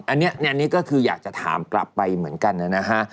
อันนี้ก็คืออยากจะถามกลับไปเหมือนกันนะฮะ